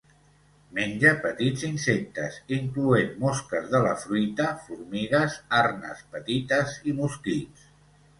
Menja petits insectes incloent, mosques de la fruita, formigues, arnes petites i mosquits.